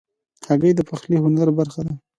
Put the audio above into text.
هګۍ د پخلي هنر برخه ده.